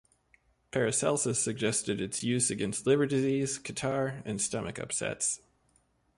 Paracelsus suggested its use against liver disease, catarrh and stomach upsets.